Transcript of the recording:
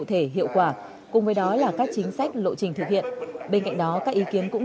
thể hiệu quả cùng với đó là các chính sách lộ trình thực hiện bên cạnh đó các ý kiến cũng